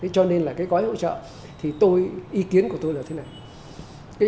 cho nên là cái gói hỗ trợ thì tôi ý kiến của tôi là thế này